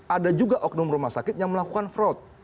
ada juga oknum rumah sakit yang melakukan fraud